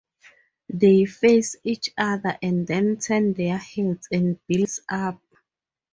They face each other and then turn their heads and bills up.